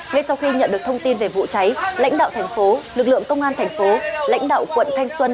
ngay sau khi nhận được thông tin về vụ cháy lãnh đạo thành phố lực lượng công an thành phố lãnh đạo quận thanh xuân